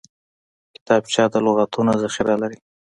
کتابچه د لغتونو ذخیره لري